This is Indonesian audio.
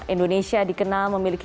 indonesia dikenal memiliki